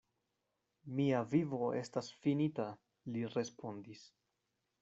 Mia vivo estas finita, li respondis.